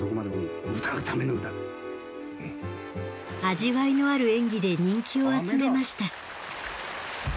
味わいのある演技で人気を集めました。